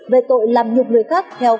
về tội làm nhục người khác theo